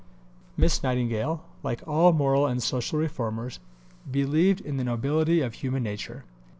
Miss Nightingale, like all moral and social reformers, believed in the nobility of human nature.